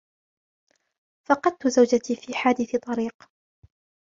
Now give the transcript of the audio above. فقدت زوجتي في حادث طريق.